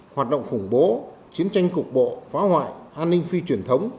hoạt động khủng bố chiến tranh cục bộ phá hoại an ninh phi truyền thống